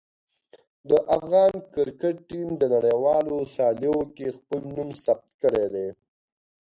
د افغان کرکټ ټیم د نړیوالو سیالیو کې خپل نوم ثبت کړی دی.